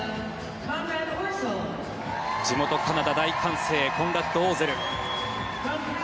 地元カナダ、大歓声コンラッド・オーゼル。